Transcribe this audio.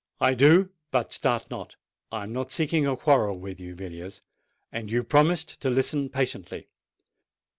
"I do. But start not—I am not seeking a quarrel with you, Villiers—and you promised to listen patiently."